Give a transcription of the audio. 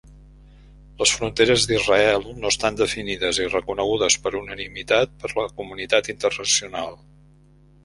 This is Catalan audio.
Les fronteres d'Israel no estan definides i reconegudes per unanimitat per la comunitat internacional.